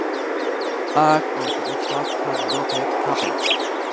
Arak also exports hand-knotted carpets which are referred to as Sarouk rugs.